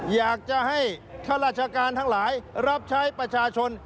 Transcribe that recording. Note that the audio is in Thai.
อยากจะให้ข้าราชการทั้งหลายรับใช้ประชาชน